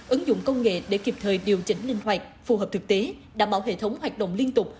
ứng dụng công nghệ để kịp thời điều chỉnh linh hoạt phù hợp thực tế đảm bảo hệ thống hoạt động liên tục